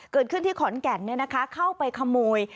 เกิดขึ้นที่ขอนแก่นเข้าไปขโมย